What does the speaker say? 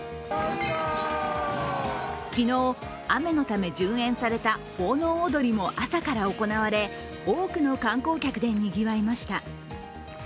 昨日、雨のため順延された奉納踊りも朝から行われ、多くの観光客でにぎわいました。